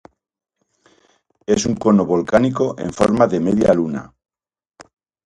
Es un cono volcánico en forma de media luna.